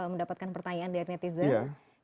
mendapatkan pertanyaan dari netizen